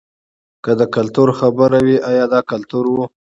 که د کلتور خبره وي ایا دا کلتور و.